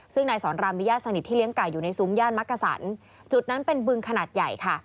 ซึ่งนายสอนรามมีญาติสนิทที่เลี้ยงไก่อยู่ในซุ้มย่านมักกะสันจุดนั้นเป็นบึงขนาดใหญ่ค่ะ